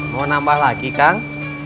mau nambah lagi kang